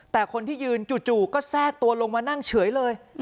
แต่คนที่ยืนจู่ก็แทรกตัวลงมานั่งเฉยเลย